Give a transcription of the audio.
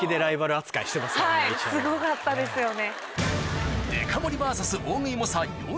はいすごかったですよね。